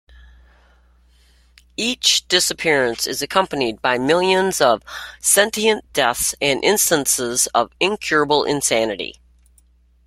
Each disappearance is accompanied by millions of sentient deaths and instances of incurable insanity.